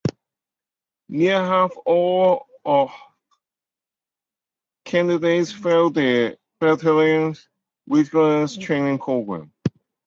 Nearly half of all candidates fail the battalion's rigorous training program.